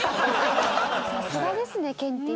さすがですねケンティー。